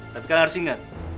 tapi kalian harus ingat